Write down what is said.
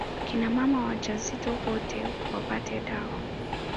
Kina mama wajawazito wote wapate dawa